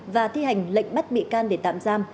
và thi hành lệnh bắt bị can để tạm giam